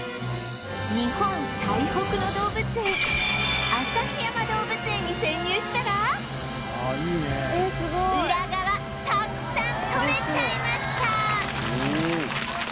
日本最北の動物園旭山動物園に潜入したらウラ側たくさん撮れちゃいました！